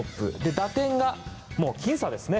打点がもう、僅差ですね。